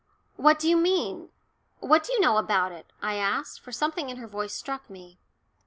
"What do you mean? What do you know about it?" I asked, for something in her voice struck me.